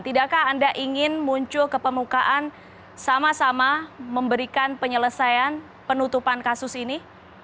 tidakkah anda ingin muncul ke pemukaan sama sama memberikan penyelesaian penutupan kasus ini